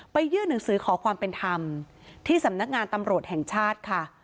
ยื่นหนังสือขอความเป็นธรรมที่สำนักงานตำรวจแห่งชาติค่ะ